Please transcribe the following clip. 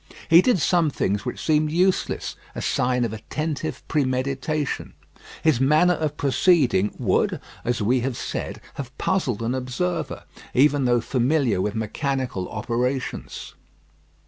He did some things which seemed useless; a sign of attentive premeditation. His manner of proceeding would, as we have said, have puzzled an observer, even though familiar with mechanical operations.